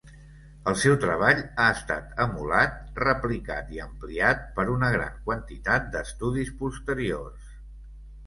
El seu treball ha estat emulat, replicat i ampliat per una gran quantitat d'estudis posteriors.